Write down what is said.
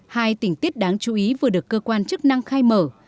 hai tỉnh tiết đáng chú ý vừa được cơ quan chức năng khai mở